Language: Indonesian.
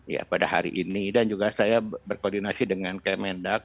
ya pada hari ini dan juga saya berkoordinasi dengan kemendak